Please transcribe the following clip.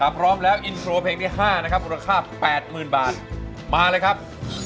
พร้อมแล้วอินโทรเพลงที่๕นะครับมูลค่า๘๐๐๐บาทมาเลยครับ